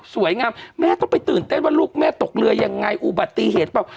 แม่ต้องไปตื่นเต้นว่าลูกแม่ตกเรือยังไงอุบัติเหตุเปล่า